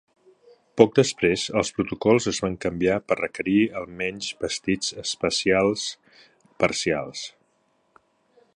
Poc després els protocols es van canviar per requerir almenys vestits espacials parcials.